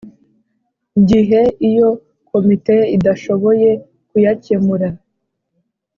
gihe iyi Komite idashoboye kuyacyemura